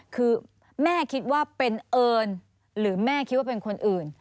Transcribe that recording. คือแม่คิดว่าเป็นเอิญหรือแม่คิดว่าเป็นคนอื่น